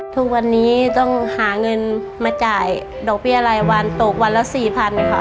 ทุกวันนี้ต้องหาเงินมาจ่ายดอกเบี้ยรายวันตกวันละ๔๐๐๐ค่ะ